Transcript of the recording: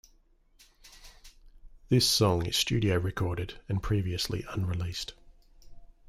This song is studio-recorded and previously unreleased.